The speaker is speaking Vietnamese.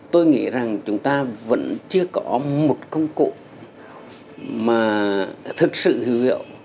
tôi nghĩ rằng chúng ta vẫn chưa có một công cụ mà thực sự hữu hiệu